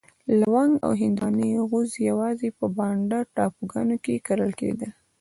لونګ او هندي غوز یوازې په بانډا ټاپوګانو کې کرل کېدل.